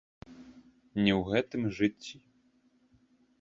Не ў гэтым жыцці.